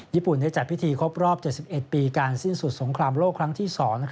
ญี่ปุ่นได้จัดพิธีครบรอบ๗๑ปีการสิ้นสุดสงครามโลกครั้งที่๒